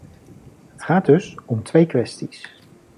Het gaat dus om twee kwesties.